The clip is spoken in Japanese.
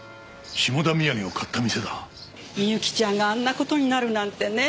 みゆきちゃんがあんな事になるなんてねぇ。